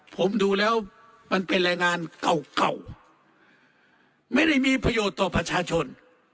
ผมดูแล้วมันเป็นรายงานเก่าเก่าไม่ได้มีประโยชน์ต่อประชาชน